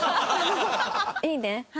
いいね。